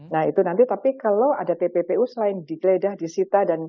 nah itu nanti tapi kalau ada tppu selain di geledah di sita